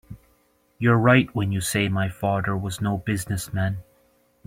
You're right when you say my father was no business man.